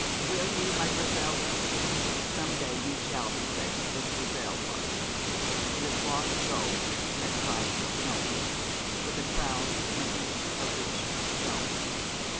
'Will you, my Griselda. Some day you shall be dressed as Grisel was "In a cloth of gold that brighte shone, With a coroune of many a riche stone."